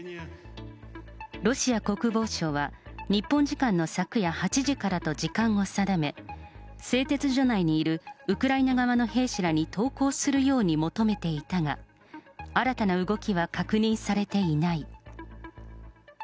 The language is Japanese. ロシア国防省は日本時間の昨夜８時からと時間を定め、製鉄所内にいるウクライナ側の兵士らに投降するよう求めていたが、新たな動きは確認されていない。